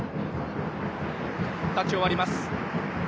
タッチを割ります。